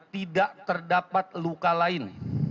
tidak terdapat luka lain